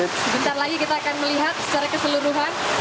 sebentar lagi kita akan melihat secara keseluruhan